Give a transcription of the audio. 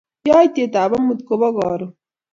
Yaitietab amut kobo karon